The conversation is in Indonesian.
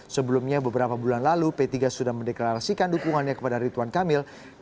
sebelumnya beberapa bulan lalu p tiga sudah mendeklarasikan dukungannya kepada rituan kamil